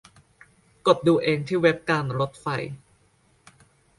กดดูเองที่เว็บการถไฟ